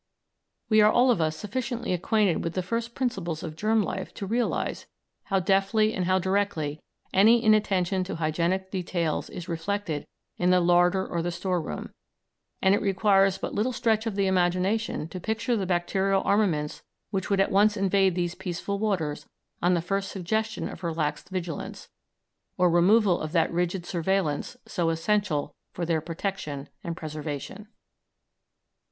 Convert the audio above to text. We are all of us sufficiently acquainted with the first principles of germ life to realise how deftly and how directly any inattention to hygienic details is reflected in the larder or the store room; and it requires but little stretch of the imagination to picture the bacterial armaments which would at once invade these peaceful waters on the first suggestion of relaxed vigilance, or removal of that rigid surveillance so essential for their protection and preservation.